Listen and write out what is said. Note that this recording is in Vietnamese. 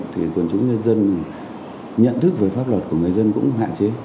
thì quần chúng nhân dân nhận thức về pháp luật của người dân cũng hạn chế